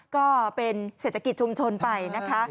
ก็เป็นเศรษฐกิจชุมชนไปนะคะ